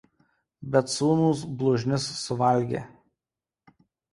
Bet sūnūs blužnis suvalgė.